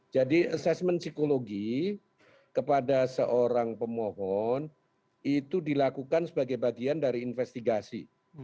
jadi asesmen psikologi kepada seorang pemohon itu dilakukan sebagai bagian dari investigasi